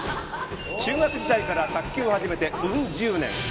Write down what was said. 中学時代から卓球を始め、うん十年。